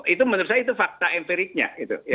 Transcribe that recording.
itu menurut saya itu fakta empiriknya gitu ya